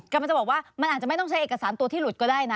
กำลังจะบอกว่ามันอาจจะไม่ต้องใช้เอกสารตัวที่หลุดก็ได้นะ